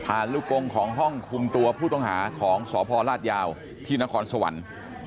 ลูกกงของห้องคุมตัวผู้ต้องหาของสพลาดยาวที่นครสวรรค์